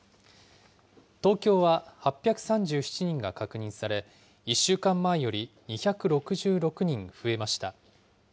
東京は８３７人が確認され、１週間前より２６６人増えました。